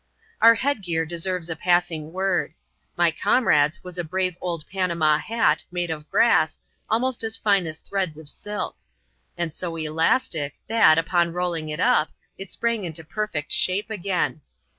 Our headgear deserves a passing word. My comrade's was a brave old Panama hat, made of grass, almost as. fine as threads of silk ; and so elastic, that, upon rolling it up, it sprang into perfect shape again.